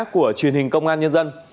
của truyền hình công an nhân dân